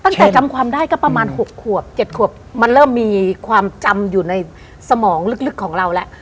จำความได้ก็ประมาณ๖ขวบ๗ขวบมันเริ่มมีความจำอยู่ในสมองลึกของเราแล้ว